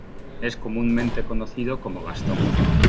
Es comúnmente conocido como Gaston.